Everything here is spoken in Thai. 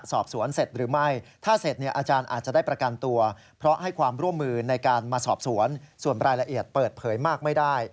ส่วนรายละเอียดเปิดเผยมากไม่ได้